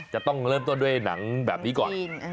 จะต้องเริ่มต้นด้วยหนังแบบนี้ก่อน